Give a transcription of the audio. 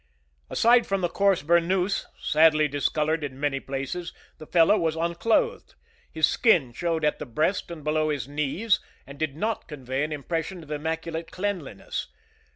Aside from the coarse burnous, sadly discolored in many places, the fellow was unclothed. His skin showed at the breast and below his knees, and did not convey an impression of immaculate cleanliness.